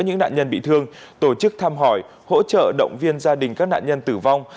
những nạn nhân bị thương tổ chức thăm hỏi hỗ trợ động viên gia đình các nạn nhân tử vong